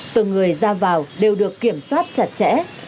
từng người ra vào đều được kiểm soát chặt chẽ